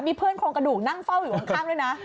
มีเพื่อนโครงกระดูกนั่งเฝ้าอยู่ข้างด้วยนะ